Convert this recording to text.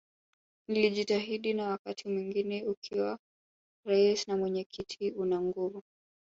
Nilijitahidi na wakati mwingine ukiwa Rais na mwenyekiti una nguvu